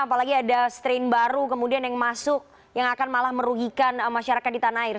apalagi ada strain baru kemudian yang masuk yang akan malah merugikan masyarakat di tanah air